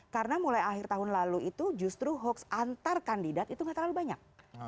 karena mulai akhir tahun lalu itu justru hoax antar kandidat itu gak terlalu banyak